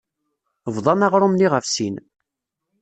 Bḍan aɣrum-nni ɣef sin.